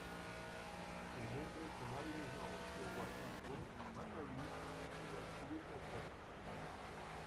Pour montrer son allégeance au roi Sargon, Mathayus doit tuer son frère.